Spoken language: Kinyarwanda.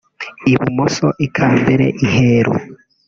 “ibumoso” “ikambere” “iheru”